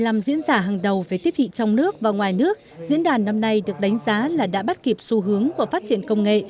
trong diễn giả hàng đầu về tiếp thị trong nước và ngoài nước diễn đàn năm nay được đánh giá là đã bắt kịp xu hướng của phát triển công nghệ